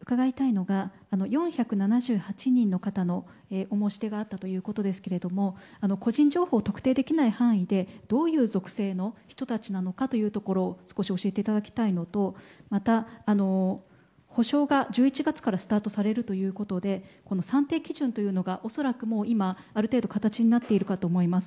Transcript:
伺いたいのが４７８人の方のお申し出があったということですが個人情報が特定できない範囲でどういう属性の人たちなのかというところを少し教えていただきたいのとまた、補償が１１月からスタートされるということで算定基準というのが恐らく、今ある程度形になっていると思います。